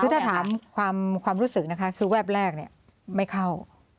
คือถ้าถามความรู้สึกนะคะคือแวบแรกไม่เข้า